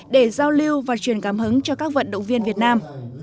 để giao lưu và truyền cảm hứng cho các vận động viên việt nam